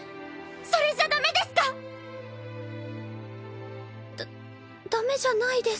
それじゃダメですか⁉ダダメじゃないです。